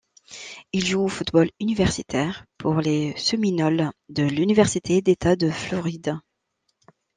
Il joue au football universitaire pour les Seminoles de l'université d'état de Floride.